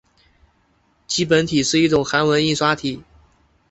基本体是一种韩文印刷体。